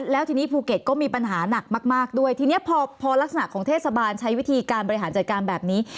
แล้วทีนี้ภูเก็ตก็มีปัญหาหนักมากด้วยทีนี้พอลักษณะของเทศบาลใช้วิธีการบริหารจัดการแบบนี้